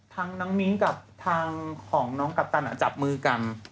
ทั้งน้องมิ้งกับทางของน้องกัปตันจับมือกัน